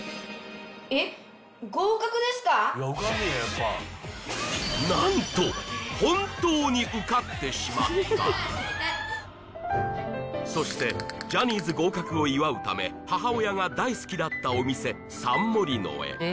えっ何と本当に受かってしまったそしてジャニーズ合格を祝うため母親が大好きだったお店サンモリノへ